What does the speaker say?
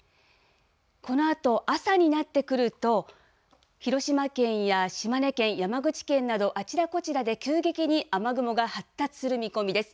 このあと、朝になってくると、広島県や島根県、山口県など、あちらこちらで急激に雨雲が発達する見込みです。